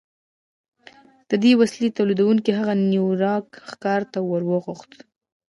د دې وسیلې تولیدوونکي هغه نیویارک ښار ته ور وغوښت